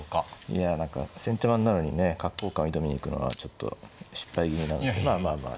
いや何か先手番なのにね角交換を挑みに行くのはちょっと失敗気味なんですけどまあまあまあ